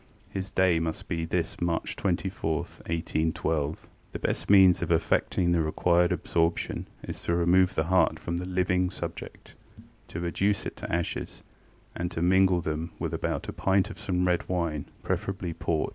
His day must be this March 24, 1812. ŌĆ£The best means of effecting the required absorption is to remove the heart from the living subject, to reduce it to ashes, and to mingle them with about a pint of some red wine, preferably port.